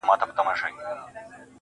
o پرېږده چي نور په سره ناسور بدل سي.